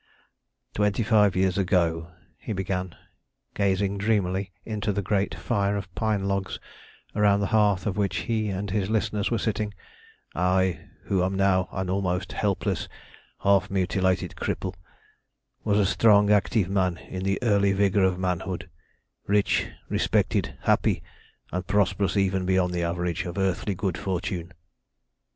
"Twenty five years ago," he began, gazing dreamily into the great fire of pine logs, round the hearth of which he and his listeners were sitting, "I, who am now an almost helpless, half mutilated cripple, was a strong, active man, in the early vigour of manhood, rich, respected, happy, and prosperous even beyond the average of earthly good fortune.